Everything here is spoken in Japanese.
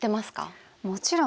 もちろん。